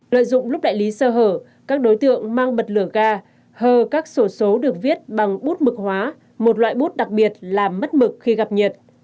lợi dụng lúc đại lý sơ hở các đối tượng mang bật lửa ga hờ các sổ số được viết bằng bút mực hóa một loại bút đặc biệt là mất mực khi gặp nhiệt